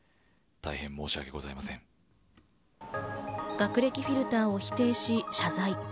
学歴フィルターを否定し謝罪。